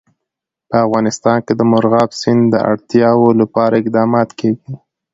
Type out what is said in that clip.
په افغانستان کې د مورغاب سیند د اړتیاوو لپاره اقدامات کېږي.